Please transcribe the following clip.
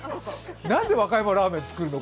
なんで和歌山ラーメン作るの？